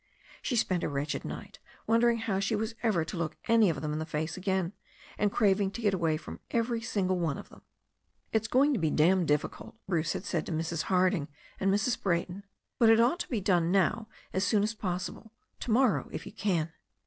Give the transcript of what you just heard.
She spent a wretched night, wondering how she was ever to look any of them in the face again, and craving to get away from every one of them. "It's going to be damned difficult," Bruce had said to Mrs. Harding and Mrs. Brayton, "but it ought to be done now as soon as possible, to morrow, if you can."